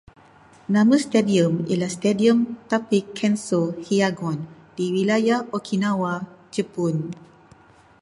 Nama stadium ialah Stadium Tapic Kenso Hiyagon, di Wilayah Okinawa, Jepun